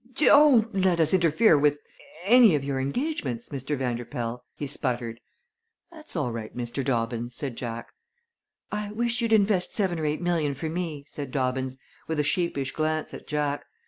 "Don't let us interfere with any of your engagements, Mr. Vanderpoel," he sputtered. "That's all right, Mr. Dobbins," said Jack. "I wish you'd invest seven or eight million for me," said Dobbins, with a sheepish glance at Jack.